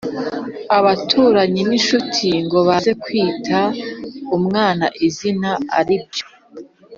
abaturanyi n’inshuti, ngo baze kwita umwana izina ari byo